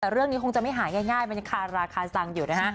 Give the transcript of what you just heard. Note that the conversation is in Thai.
แต่เรื่องนี้คงจะไม่หาย่ายคาหราคาสังอยู่นะฮะ